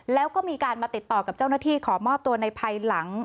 แล้วก็มีการมาติดต่อกับเจ้าหน้าที่ขอมอบตัวในภายหลัง